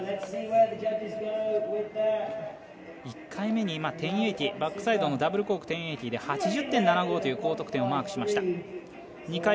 １回目に１０８０、バックサイドのダブルコークの１０８０で８０．７５という高得点をマークしました。